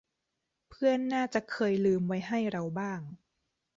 เพื่อนน่าจะเคยลืมไว้ให้เราบ้าง